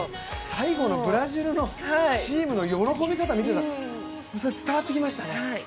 最後のブラジルのチームの喜び方見てたらそれが伝わってきましたね。